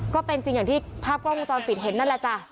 ก็เป็นจริงอย่างที่ภาพกล้องวงจรปิดเห็นนั่นแหละจ้ะ